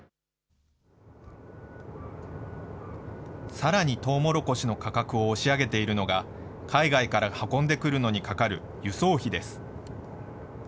さらにトウモロコシの価格を押し上げているのが、海外から運んでくるのにかかる輸送費です。